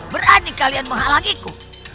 berani kalian menghalangiku